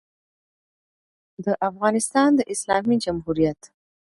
د افغانستان د اسلامي جمهوریت